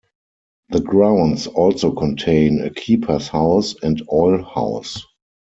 The grounds also contain a keeper's house and oil house.